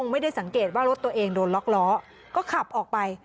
ไม่ได้สังเกตว่ารถตัวเองโดนล็อกล้อก็ขับออกไป